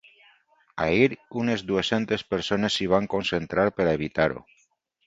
Ahir unes dues-centes persones s’hi van concentrar per a evitar-ho.